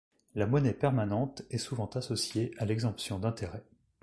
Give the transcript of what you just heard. La monnaie permanente est souvent associée à l'exemption d'intérêts.